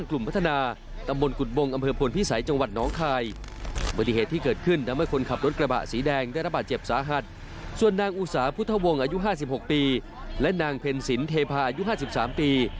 และนางเพลร์สินเทพาะอายุห้าสิบสามปี